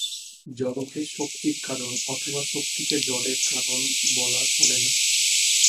জড়কে শক্তির কারণ অথবা শক্তিকে জড়ের কারণ বলা চলে না।